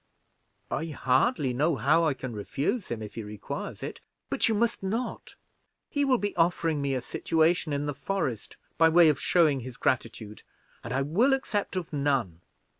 "I hardly know how I can refuse him, if he requires it." "But you must not. He will be offering me a situation in the forest, by way of showing his gratitude, and I will accept of none.